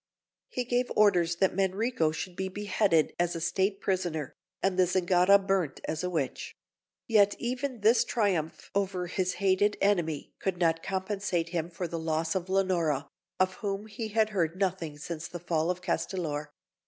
He gave orders that Manrico should be beheaded as a State prisoner, and the Zingara burnt as a witch; yet even this triumph over his hated enemy could not compensate him for the loss of Leonora, of whom he had heard nothing since the fall of Castellor.